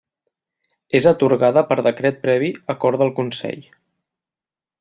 És atorgada per decret previ acord del Consell.